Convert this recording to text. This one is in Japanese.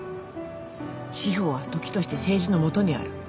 司法は時として政治の下にある。